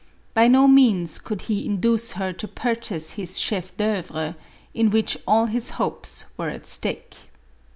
By no means could he in duce her to purchase his chef d'ceuvre, in which all his hopes were at stake.